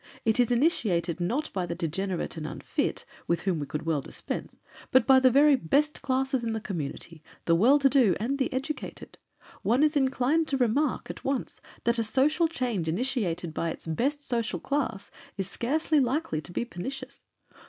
It is initiated, not by the degenerate and unfit, with whom we could well dispense, but by the very best classes in the community, the well to do and the educated. One is inclined to remark, at once, that a social change initiated by its best social class is scarcely likely to be pernicious.